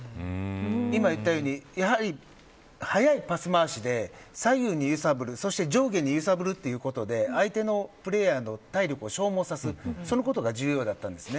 今、言ったようにやはり、速いパス回しで左右に揺さぶるそして上下に揺さぶるということで相手のプレーヤーの体力を消耗させるそのことが重要だったんです。